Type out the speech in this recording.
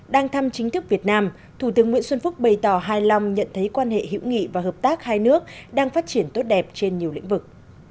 đang thăm chính thức việt nam thủ tướng nguyễn xuân phúc bày tỏ hài lòng nhận thấy quan hệ hữu nghị và hợp tác hai nước đang phát triển tốt đẹp trên nhiều lĩnh vực